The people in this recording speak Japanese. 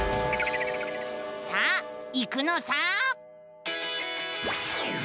さあ行くのさ！